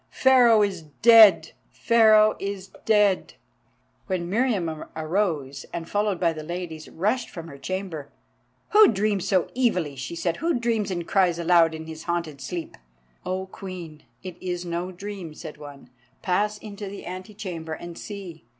Pharaoh is dead! Pharaoh is dead!" Then Meriamun arose, and followed by the ladies, rushed from her chamber. "Who dreams so evilly?" she said. "Who dreams and cries aloud in his haunted sleep?" "O Queen, it is no dream," said one. "Pass into the ante chamber and see.